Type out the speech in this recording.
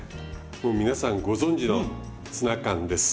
もう皆さんご存知のツナ缶です。